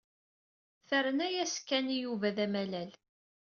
Terna-as Ken i Yuba d amalal.